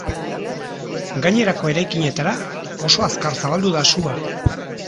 Gainerako eraikinetara oso azkar zabaldu da sua.